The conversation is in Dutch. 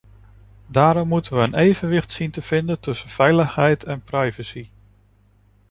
Daarom moeten we een evenwicht zien te vinden tussen veiligheid en privacy.